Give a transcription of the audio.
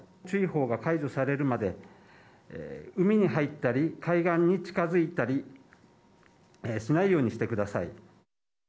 注意報が解除されるまで、海に入ったり、海岸に近づいたりしないようにしてください。